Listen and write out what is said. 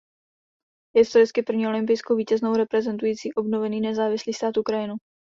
Je historicky první olympijskou vítězkou reprezentující obnovený nezávislý stát Ukrajinu.